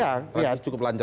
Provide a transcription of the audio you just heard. transisi cukup lancar